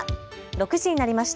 ６時になりました。